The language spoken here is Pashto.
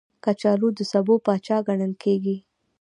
کچالو د سبو پاچا ګڼل کېږي